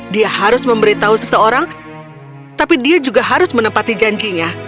dia harus memberitahu seseorang tapi dia juga harus menepati janjinya